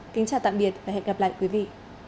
kính chào tạm biệt và hẹn gặp lại quý vị